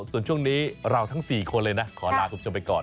ส่วนช่วงนี้เราทั้ง๔คนเลยนะขอลาคุณผู้ชมไปก่อน